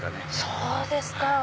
そうですか。